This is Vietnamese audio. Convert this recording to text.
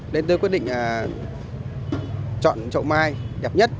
nên tôi quyết định chọn chậu mai đẹp nhất